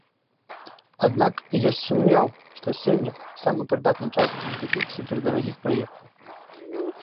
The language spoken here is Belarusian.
Аднак ёсць сумнеў, што сёння самы прыдатны час для такіх супердарагіх праектаў.